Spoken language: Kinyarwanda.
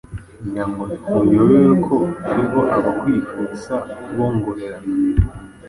Ngirango ntuyobewe ko hariho Abahwihwisa bongorerana